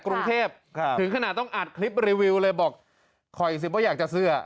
กรุงเทพครับถึงขนาดต้องอัดคลิปรีวิวเลยบอกคอยอีกสิบว่าอยากจะซื้อ